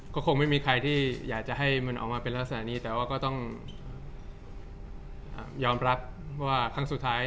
ก็คงไม่มีใครที่อยากจะให้มันออกมาเป็นลักษณะนี้แต่ว่าก็ต้องยอมรับว่าครั้งสุดท้าย